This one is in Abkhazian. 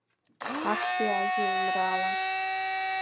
Актәи ажәеинраала…